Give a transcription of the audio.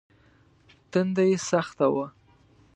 تنده يې سخته وه.